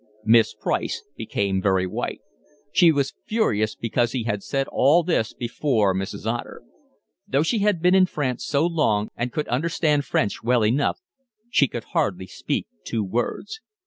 Miss Price became very white. She was furious because he had said all this before Mrs. Otter. Though she had been in France so long and could understand French well enough, she could hardly speak two words.